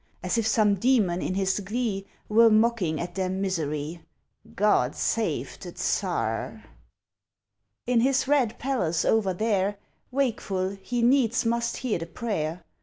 As if some daemon in his glee Were mocking at their misery "God save the Tsar!" In his Red Palace over there, Wakeful, he needs must hear the prayer.